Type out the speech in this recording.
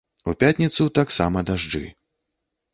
У пятніцу таксама дажджы.